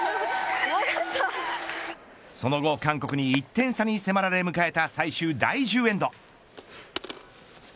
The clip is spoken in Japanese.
その後韓国に１点差に迫られ迎えた最終第１０エンド。